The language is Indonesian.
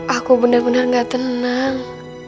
aku benar benar gak tenang